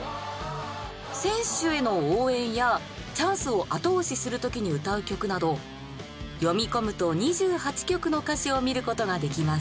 選手への応援やチャンスを後押しする時に歌う曲など読み込むと２８曲の歌詞を見ることができます。